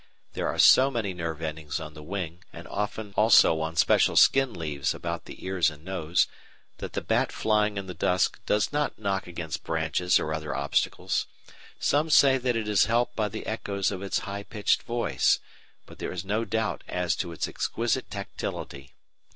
There are so many nerve endings on the wing, and often also on special skin leaves about the ears and nose, that the bat flying in the dusk does not knock against branches or other obstacles. Some say that it is helped by the echoes of its high pitched voice, but there is no doubt as to its exquisite tactility.